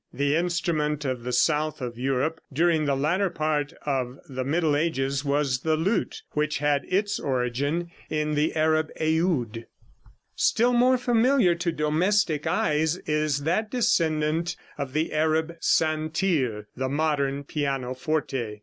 The instrument of the south of Europe during the latter part of the Middle Ages was the lute, which had its origin in the Arab Eoud. (See Fig. 24.) [Illustration: Fig. 24. THE EOUD.] Still more familiar to domestic eyes is that descendant of the Arab santir, the modern pianoforte.